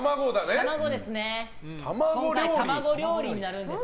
今回、卵料理になるんですけど。